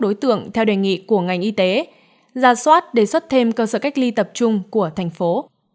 đối tượng theo đề nghị của ngành y tế ra soát đề xuất thêm cơ sở cách ly tập trung của thành phố